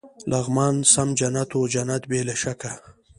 لغمان سم جنت و، جنت بې له شکه.